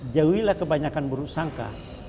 jauhilah kebanyakan buruk sangka